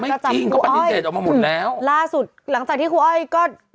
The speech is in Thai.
ไม่จริงเขาปฏิเสธออกมาหมดแล้วครูอ้อยอืมล่าสุดหลังจากที่ครูอ้อยก็